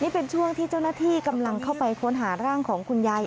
เป็นช่วงที่เจ้าหน้าที่กำลังเข้าไปค้นหาร่างของคุณยาย